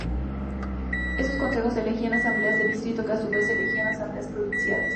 Estos consejos elegían asambleas de distrito, que a su vez elegían asambleas provinciales